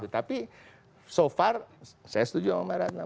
tapi so far saya setuju sama mbak ratna